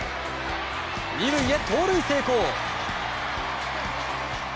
２塁へ盗塁成功！